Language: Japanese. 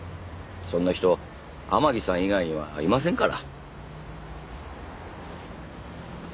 そんな人天樹さん以外にはいませんから。